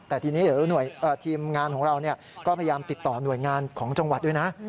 แต่ทีนี้เดี๋ยวทีมงานของเราก็พยายามติดต่อหน่วยงานของจังหวัดด้วยนะ